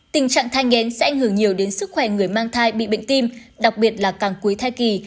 tình trạng thai ngén sẽ ảnh hưởng nhiều đến sức khỏe người mang thai bị bệnh tim đặc biệt là càng cuối thai kỳ